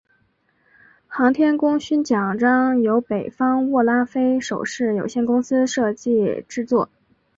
航天功勋奖章由北京握拉菲首饰有限公司设计制作。